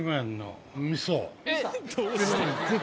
えっ！